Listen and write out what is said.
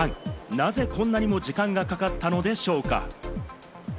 なぜ、こんなにも時間がかかったのでしょうか？